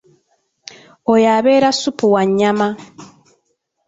Oyo abeera ssupu wa nnyama.